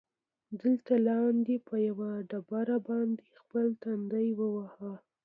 دلته لاندې، په یوه ډبره باندې خپل تندی ووهه.